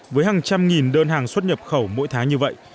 với hàng trăm nghìn đơn hàng xuất nhập khẩu mỗi tháng như vậy